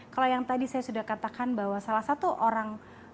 kalau yang tadi saya sudah katakan bahwa salah satu orang